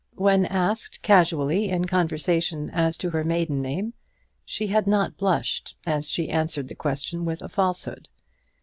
When asked casually in conversation as to her maiden name, she had not blushed as she answered the question with a falsehood.